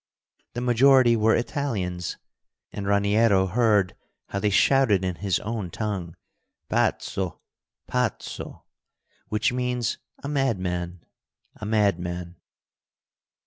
The majority were Italians; and Raniero heard how they shouted in his own tongue, "Pazzo, pazzo!" which means "a madman, a madman."